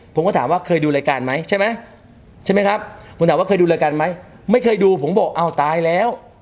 ผมก็ถามว่าเคยดูรายการไหมใช่ไหมใช่ไหมครับผมถามว่าเคยดูรายการไหมไม่เคยดูผมบอกอ้าวตายแล้ว